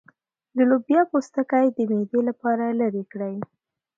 د لوبیا پوستکی د معدې لپاره لرې کړئ